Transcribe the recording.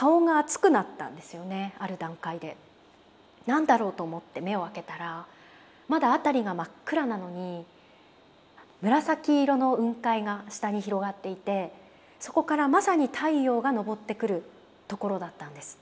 何だろうと思って目を開けたらまだ辺りが真っ暗なのに紫色の雲海が下に広がっていてそこからまさに太陽が昇ってくるところだったんです。